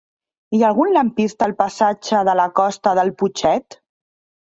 Hi ha algun lampista al passatge de la Costa del Putxet?